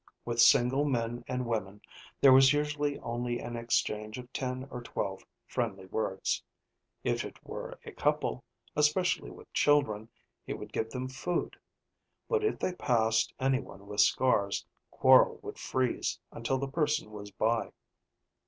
With single men and women there was usually only an exchange of ten or twelve friendly words. If it were a couple, especially with children, he would give them food. But if they passed anyone with scars, Quorl would freeze until the person was by.